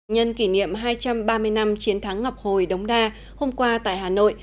nhân kỷ niệm hai trăm ba mươi năm chiến thắng ngọc hồi đống đa hôm qua tại hà nội